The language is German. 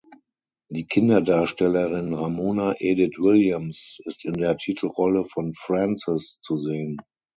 Die Kinderdarstellerin Ramona Edith Williams ist in der Titelrolle von Frances zu sehen.